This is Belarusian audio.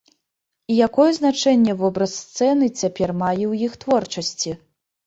І якое значэнне вобраз сцены цяпер мае ў іх творчасці?